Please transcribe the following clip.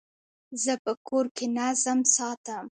زه په کور کي نظم ساتم.